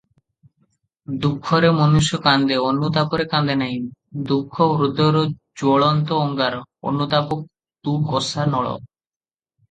ଦୁଃଖରେ ମନୁଷ୍ୟ କାନ୍ଦେ, ଅନୁତାପରେ କାନ୍ଦେନାହିଁ, ଦୁଃଖ ହୃଦୟର ଜ୍ୱଳନ୍ତ ଅଙ୍ଗାର, ଅନୁତାପ ତୁକଷା ନଳ ।